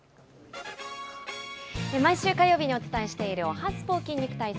毎週火曜日にお伝えしているおはＳＰＯ筋肉体操。